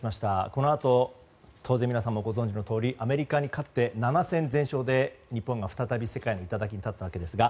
このあと当然皆さんもご存じのとおりアメリカに勝って、７戦全勝で日本が再び世界の頂に立ったわけですが